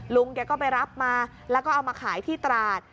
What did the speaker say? ลุงแกก็ไปรับมาแล้วก็เอามาขายที่ตราด